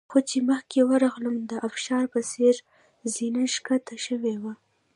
خو چې مخکې ورغلم د ابشار په څېر زینه ښکته شوې وه.